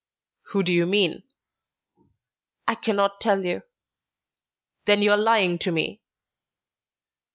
"Who do you mean?" "I can not tell you." "Then you are lying to me."